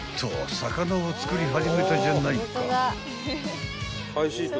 魚を作り始めたじゃないか］